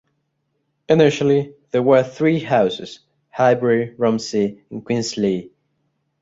Initially, there were three houses - Highbury, Romsey and Queenslea.